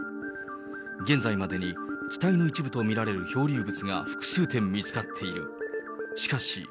現在までに機体の一部と見られる漂流物が複数点見つかっている。